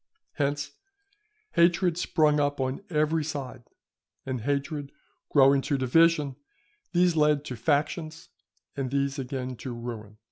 Hence hatred sprung up on every side, and hatred growing to division, these led to factions, and these again to ruin.